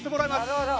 なるほど。